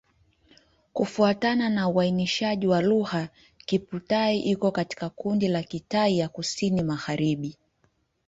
Kufuatana na uainishaji wa lugha, Kiphu-Thai iko katika kundi la Kitai ya Kusini-Magharibi.